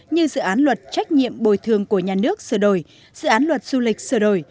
như dự án luật trách nhiệm bồi thường của nhà nước sửa đổi dự án luật du lịch sửa đổi